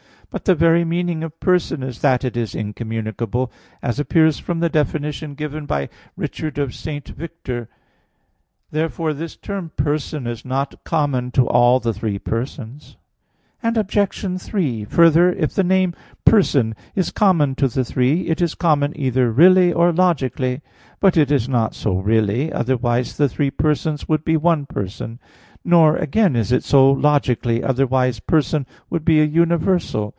But the very meaning of person is that it is incommunicable; as appears from the definition given by Richard of St. Victor (Q. 29, A. 3, ad 4). Therefore this term "person" is not common to all the three persons. Obj. 3: Further, if the name "person" is common to the three, it is common either really, or logically. But it is not so really; otherwise the three persons would be one person; nor again is it so logically; otherwise person would be a universal.